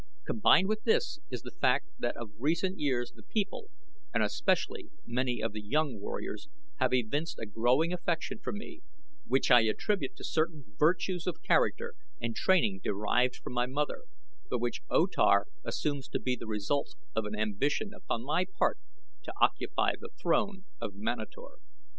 Combined with this is the fact that of recent years the people, and especially many of the younger warriors, have evinced a growing affection for me, which I attribute to certain virtues of character and training derived from my mother, but which O Tar assumes to be the result of an ambition upon my part to occupy the throne of Manator.